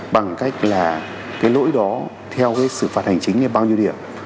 bằng cách là cái lỗi đó theo cái sự phạt hành chính là bao nhiêu điểm